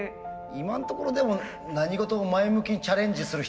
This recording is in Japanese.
今んところでも何事も前向きにチャレンジする人の話だよね。